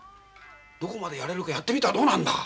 どこまでやれるかやってみたらどうなんだ？